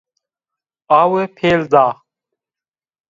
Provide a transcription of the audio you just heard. Awe pêl da.